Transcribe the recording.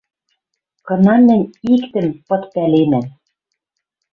Кынам мӹнь иктӹм пыт пӓленӓм: